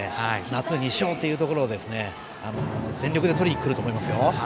夏２勝というところを全力でとりにくると思いますよ。